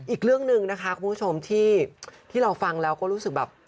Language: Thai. อีกเรื่องหนึ่งนะคะคุณผู้ชมที่เราฟังแล้วก็รู้สึกแบบ